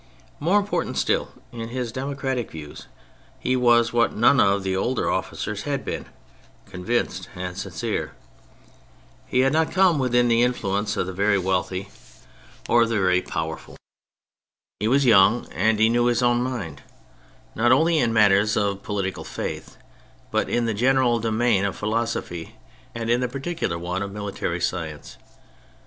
More important still, in his democratic views he was what none of the older officers had been, convinced and sincere. He had not come within the influence of the very wealthy or of THE CHARACTERS 73 the very powerful. He was young, and he knew his own mind not only in matters of political faith but in the general domain of philosophy, and in the particular one of military science.